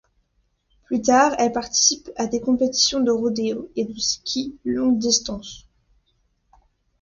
Plus tard, elle participe à des compétitions de rodéo et de ski longue distance.